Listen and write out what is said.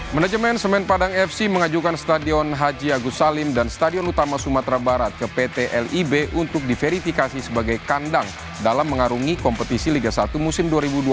manajemen semen padang fc mengajukan stadion haji agus salim dan stadion utama sumatera barat ke pt lib untuk diverifikasi sebagai kandang dalam mengarungi kompetisi liga satu musim dua ribu dua puluh